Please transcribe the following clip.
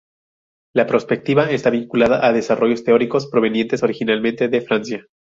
La prospectiva está vinculada a desarrollos teóricos provenientes originalmente de Francia.